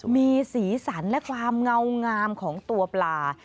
มีสีสันและความเงางามของตัวปลา